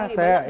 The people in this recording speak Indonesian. satu dua tiga